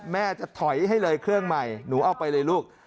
แม่จะถอยให้เลยเครื่องใหม่หนูเอาไปเลยลูก